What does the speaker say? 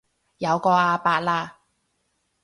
有個阿伯啦